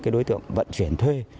đối tượng vận chuyển thuê